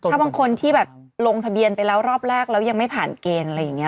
ถ้าบางคนที่แบบลงทะเบียนไปแล้วรอบแรกแล้วยังไม่ผ่านเกณฑ์อะไรอย่างนี้